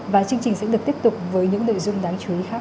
và chương trình sẽ được tiếp tục với những nội dung đáng chú ý khác